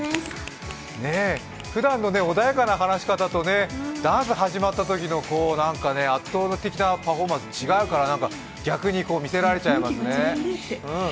ふだんの穏やかな話し方とダンス始まったときの圧倒的なパフォーマンス違うから逆にこう、見せられちゃいますね。